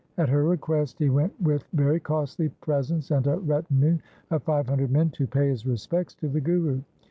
At her request he went with very costly presents and a retinue of five hundred men to pay his respects to the Guru.